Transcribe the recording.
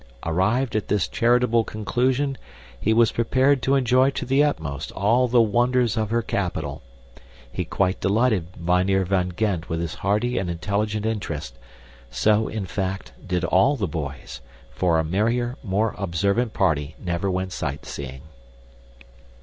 Arrived at this charitable conclusion, he was prepared to enjoy to the utmost all the wonders of her capital; he quite delighted Mynheer van Gend with his hearty and intelligent interest so, in fact, did all the boys, for a merrier, more observant party never went sight seeing.